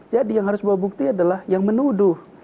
jadi yang harus bawa bukti adalah yang menuduh